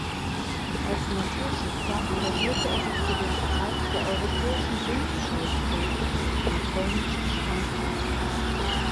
Als Naturschützer engagierte er sich für den Erhalt der Europäischen Sumpfschildkröte an polnischen Standorten.